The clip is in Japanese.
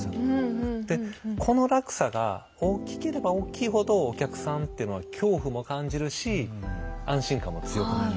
でこの落差が大きければ大きいほどお客さんっていうのは恐怖も感じるし安心感も強くなる。